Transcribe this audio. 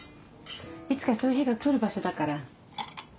いつかそういう日が来る場所だから。